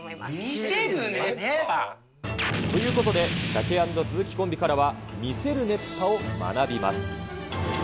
魅せる熱波？ということで、鮭＆鱸コンビからは魅せる熱波を学びます。